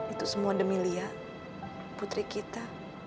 itu semua demi lia putri kita